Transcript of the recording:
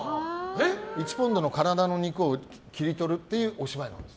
１ポンドの体の肉を切り取るというお芝居なんです。